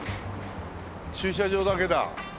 駐車場だけだ。